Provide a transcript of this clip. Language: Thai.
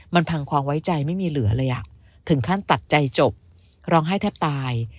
มันพังความไว้ใจไม่มีเหลือเลยถึงขั้นตัดใจจบร้องไห้แทบตาย